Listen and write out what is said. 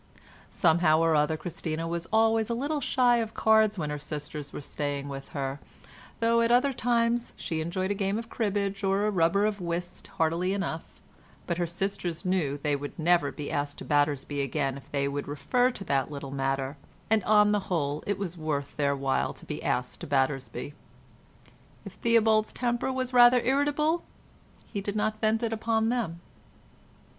Somehow or other Christina was always a little shy of cards when her sisters were staying with her, though at other times she enjoyed a game of cribbage or a rubber of whist heartily enough, but her sisters knew they would never be asked to Battersby again if they were to refer to that little matter, and on the whole it was worth their while to be asked to Battersby. If Theobald's temper was rather irritable he did not vent it upon them.